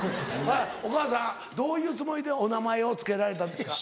お母さんどういうつもりでお名前を付けられたんですか？